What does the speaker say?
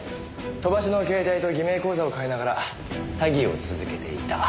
飛ばしの携帯と偽名口座を変えながら詐欺を続けていた。